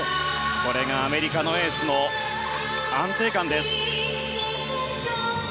これがアメリカのエースの安定感です。